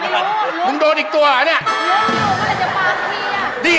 นายโดนอีกตัวล่ะนี่